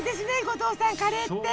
後藤さんカレーって。